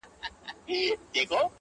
o هغه د ساه کښلو لپاره جادوگري غواړي؛